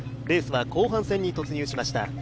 レースは後半戦に突入しました。